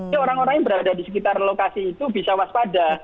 jadi orang orang yang berada di sekitar lokasi itu bisa waspada